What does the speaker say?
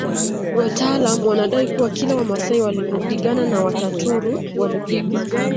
Wataalamu wanadai kuwa kila Wamasai walipopigana na Wataturu walipigwa